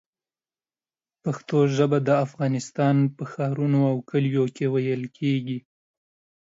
پښتو ژبه د افغانستان په ښارونو او کلیو کې ویل کېږي.